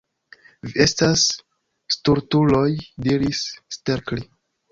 Vi estas stultuloj, diris Stelkri.